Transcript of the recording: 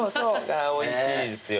おいしいんすよ。